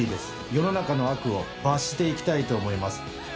世の中の悪を罰していきたいと思います。